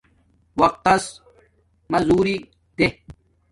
وقت تس مزدوری دے